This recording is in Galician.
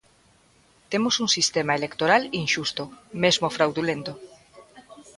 Temos un sistema electoral inxusto, mesmo fraudulento